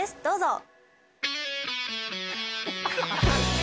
どうぞ！